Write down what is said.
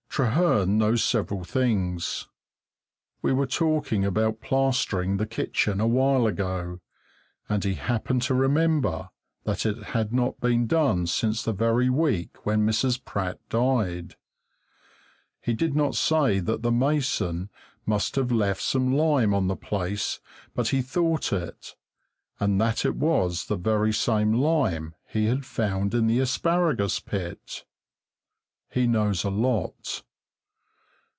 Trehearn knows several things. We were talking about plastering the kitchen a while ago, and he happened to remember that it had not been done since the very week when Mrs. Pratt died. He did not say that the mason must have left some lime on the place, but he thought it, and that it was the very same lime he had found in the asparagus pit. He knows a lot.